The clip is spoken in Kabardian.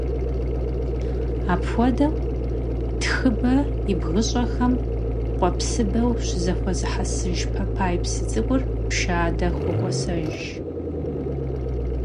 Апхуэдэу, Тхыбэ и бгыщӀэхэм къуэпсыбэу зыщызэхуэзыхьэсыж Пэпай псы цӀыкӀур Пшадэ хокӀуэсэж.